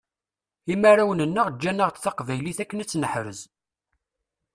Imarawen-nneɣ ǧǧanaɣ-d taqbaylit akken ad tt-neḥrez.